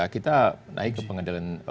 kita naik ke pengadilan